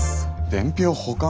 伝票保管？